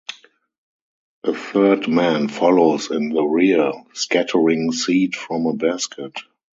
A third man follows in the rear, scattering seed from a basket.